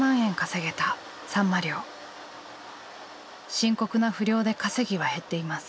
深刻な不漁で稼ぎは減っています。